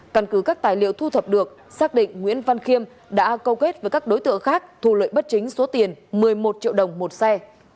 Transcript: căn cứ các tài liệu thu thập được xác định nguyễn văn khiêm đã câu kết với các đối tượng khác thu lợi bất chính số tiền một mươi một triệu đồng một xe